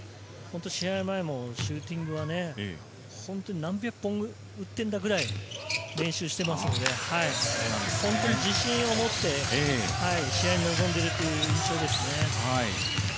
試合前もシューティングはね、何百本打ってんだぐらい練習してますので、自信を持って試合に臨んでいるという印象です。